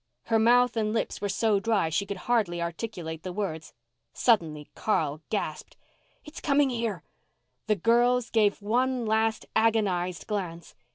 Her mouth and lips were so dry she could hardly articulate the words. Suddenly Carl gasped, "It's coming here." The girls gave one last agonized glance.